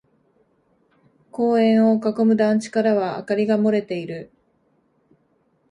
公園を囲む団地からは明かりが漏れている。